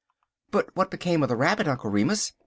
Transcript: "But what became of the Rabbit, Uncle Remus?"